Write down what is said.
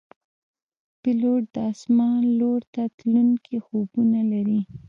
پیلوټ د آسمان لور ته تلونکي خوبونه لري.